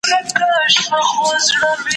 زه اجازه لرم چې کار وکړم،